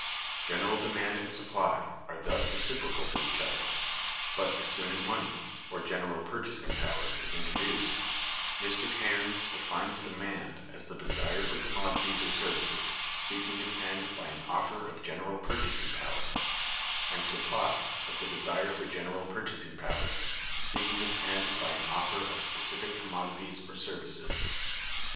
General demand and supply are thus reciprocal to each other. But as soon as money, or general purchasing power, is introduced, Mr. Cairnes(208) defines "demand as the desire for commodities or services, seeking its end by an offer of general purchasing power; and supply, as the desire for general purchasing power, seeking its end by an offer of specific commodities or services."